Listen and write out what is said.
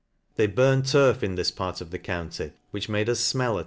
They burn turf in this part of the county, which made us fmell a.